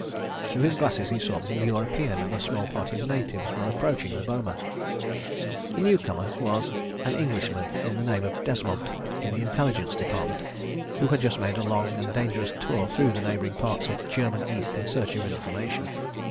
Through his glasses he saw that a European and a small party of natives were approaching the boma. ... The new comer was an Englishman of the name of Desmont, in the Intelligence Department, who had just made a long and dangerous tour through the neighbouring parts of German East in search of information.